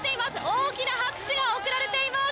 大きな拍手が送られています。